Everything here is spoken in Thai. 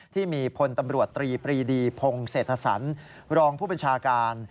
ที่มีพลตำรวจตรีปรีดีพงเศรษฐสันรองผู้บัญชาการ